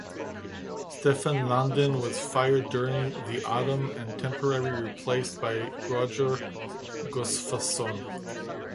Stefan Lundin was fired during the autumn and temporary replaced by Roger Gustafsson.